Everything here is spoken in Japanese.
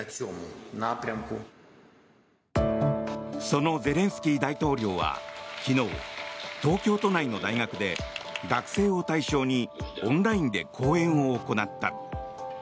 そのゼレンスキー大統領は昨日東京都内の大学で学生を対象にオンラインで講演を行った。